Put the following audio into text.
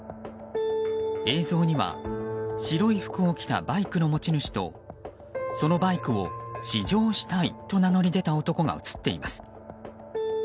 映像には白い服を着たバイクの持ち主とそのバイクを試乗したいと名乗り出た男が映っています。